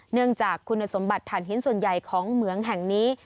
เนื่องจากคุณสมบัติฐานหินส่วนใหญ่ของเหมืองแห่งนี้